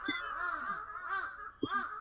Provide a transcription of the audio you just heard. আমি স্বীকার করছি আমি টাকা চুরি করেছি।